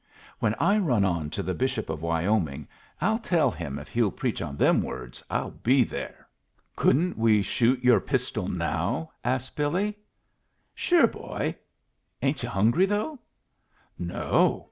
When I run on to the Bishop of Wyoming I'll tell him if he'll preach on them words I'll be there." "Couldn't we shoot your pistol now?" asked Billy. "Sure, boy. Ain't yu' hungry, though?" "No.